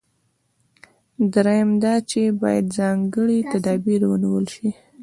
درېیم دا چې باید ځانګړي تدابیر ونیول شي.